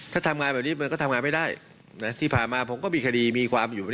ถ้าทำงานแบบนี้มันก็ทำงานไม่ได้ที่ผ่านมาผมก็มีคดีมีความอยู่